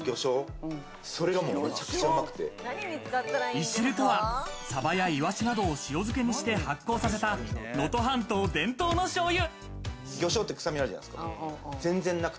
いしるとは、サバやイワシなどを塩漬けにして発酵させた能登半島伝統のしょうゆ。